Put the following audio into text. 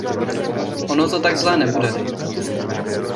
Ono to tak zlé nebude.